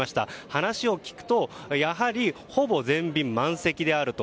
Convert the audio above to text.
話を聞くとやはりほぼ全便満席であると。